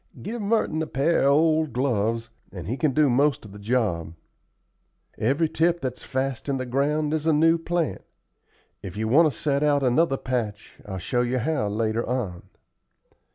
Give Merton a pair of old gloves, and he can do most of the job. Every tip that's fast in the ground is a new plant. If you want to set out another patch, I'll show you how later on."